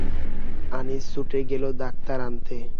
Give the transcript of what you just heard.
আনিস ছুটে গেল ডাক্তার আনতে।